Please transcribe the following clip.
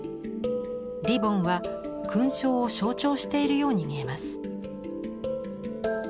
リボンは勲章を象徴しているように見えます。